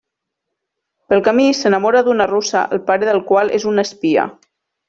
Pel camí s'enamora d'una russa el pare de la qual és un espia.